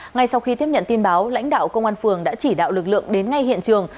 ngay sau khi tiếp nhận tin báo lãnh đạo công an phường đã chỉ đạo lực lượng đến ngay hiện trường